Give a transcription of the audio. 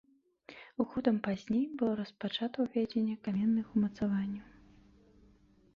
Годам пазней было распачата ўзвядзенне каменных умацаванняў.